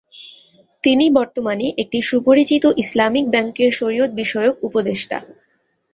তিনি বর্তমানে একটি সুপরিচিত ইসলামিক ব্যাংকের শরিয়ত বিষয়ক উপদেষ্টা।